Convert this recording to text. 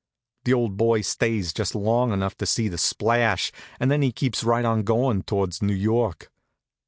The old boy stays just long enough to see the splash, and then he keeps right on goin' towards New York.